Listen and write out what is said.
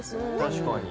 確かに。